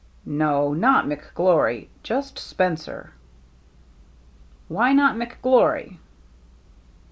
" No, not McGlory. Just Spencer." "Why not McGlory?"